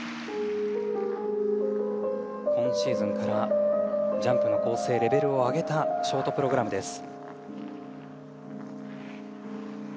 今シーズンからジャンプの構成レベルを上げたショートプログラムです。